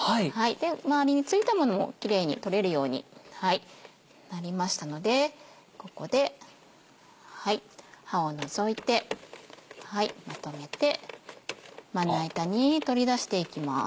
周りに付いたものもキレイに取れるようになりましたのでここで刃を除いてまとめてまな板に取り出していきます。